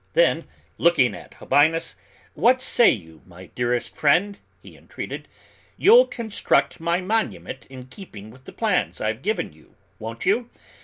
Then, looking at Habinnas, "What say you, my dearest friend," he entreated; "you'll construct my monument in keeping with the plans I've given you, won't you?